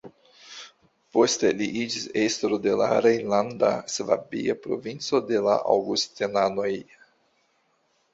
Poste li iĝis estro de la rejnlanda-svabia provinco de la aŭgustenanoj.